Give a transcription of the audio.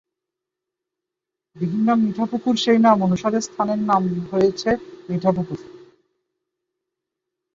দিঘির নাম মিঠাপুকুর সেই নাম অনুসারে স্থানের নাম হয়েছে মিঠাপুকুর।